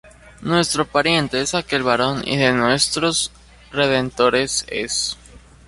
Nuestro pariente es aquel varón, y de nuestros redentores es.